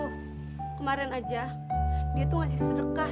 tuh kemarin aja dia tuh ngasih sedekah